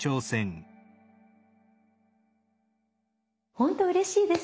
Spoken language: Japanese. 本当うれしいです。